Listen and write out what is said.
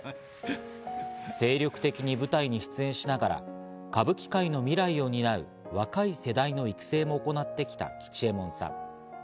精力的に舞台に出演しながら歌舞伎界の未来を担う若い世代の育成も行ってきた吉右衛門さん。